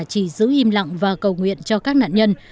chỉ giữ im lặng và cầu nguyện cho các nạn nhân